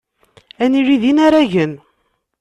Ad nili d inaragen.